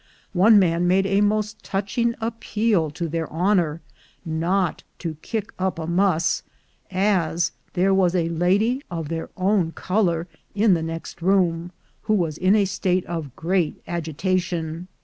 One man made a most touching appeal to their honor not to "kick up a muss," as there was a lady "of their own color" in the next room, who was in a state of great agitation.